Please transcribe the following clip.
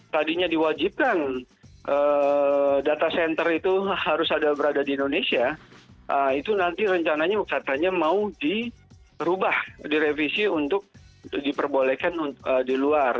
tadinya diwajibkan data center itu harus ada berada di indonesia itu nanti rencananya katanya mau dirubah direvisi untuk diperbolehkan di luar